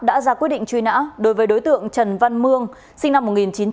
đối với đối tượng trần văn mương sinh năm một nghìn chín trăm chín mươi